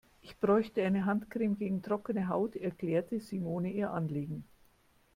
Ich bräuchte eine Handcreme gegen trockene Haut, erklärte Simone ihr Anliegen.